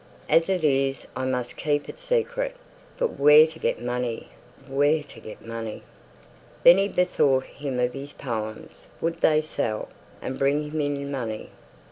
As it is I must keep it secret; but where to get money? Where to get money?" Then he bethought him of his poems would they sell, and bring him in money?